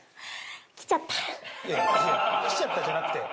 いやいや「来ちゃった」じゃなくて。